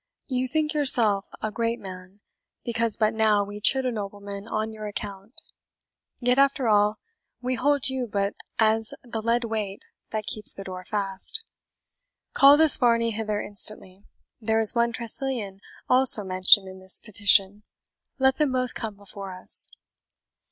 You think yourself a great man, because but now we chid a nobleman on your account; yet, after all, we hold you but as the lead weight that keeps the door fast. Call this Varney hither instantly. There is one Tressilian also mentioned in this petition. Let them both come before us."